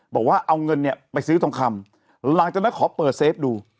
บอกว่าเอาเงินเนี่ยไปซื้อทองคำหลังจากนั้นขอเปิดเซฟดู